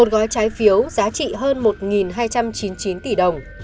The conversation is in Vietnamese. một gói trái phiếu giá trị hơn một hai trăm chín mươi chín tỷ đồng